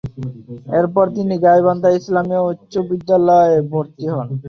এরপর তিনি গাইবান্ধা ইসলামিয়া উচ্চ বিদ্যালয়ে ভর্তি হন।